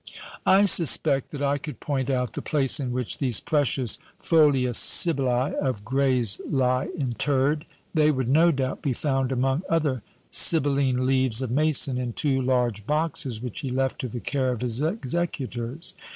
I suspect that I could point out the place in which these precious "folia SibyllÃḊ" of Gray's lie interred; they would no doubt be found among other Sibylline leaves of Mason, in two large boxes, which he left to the care of his executors.